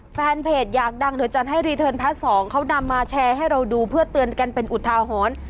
แฟนเพจอยากดังเดี๋ยวจัดให้รีเทิร์นพาร์ทสองเขานำมาแชร์ให้เราดูเพื่อเตือนกันเป็นอุทาหรณ์